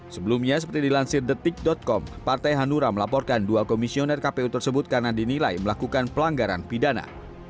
sebelumnya seperti dilansir detik com partai hanura melaporkan dua komisioner kpu tersebut karena dinilai melakukan pelanggaran pidana